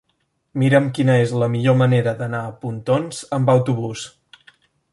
Mira'm quina és la millor manera d'anar a Pontons amb autobús.